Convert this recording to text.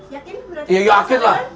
yakin berarti ya yakin lah